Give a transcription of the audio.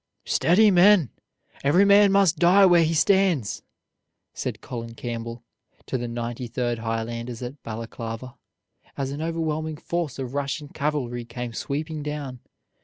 "Steady, men! Every man must die where he stands!" said Colin Campbell to the Ninety third Highlanders at Balaklava, as an overwhelming force of Russian cavalry came sweeping down.